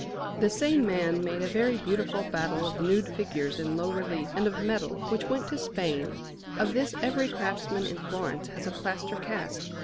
The same man made a very beautiful battle of nude figures in low relief and of metal, which went to Spain; of this every craftsman in Florence has a plaster cast.